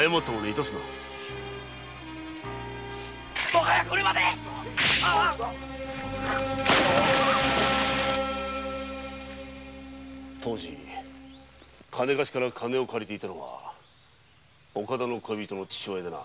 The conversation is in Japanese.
致すな当時金貸しから金を借りていたのは岡田の恋人の父親でな。